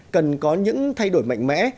cần có những thay đổi mạnh mẽ